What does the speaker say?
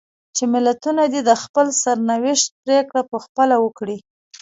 چې ملتونه دې د خپل سرنوشت پرېکړه په خپله وکړي.